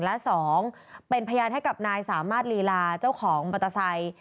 และ๒เป็นพยานให้กับนายสามารถลีลาเจ้าของมอเตอร์ไซค์